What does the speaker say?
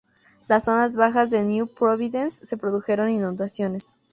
Las zonas bajas en New Providence se produjeron inundaciones.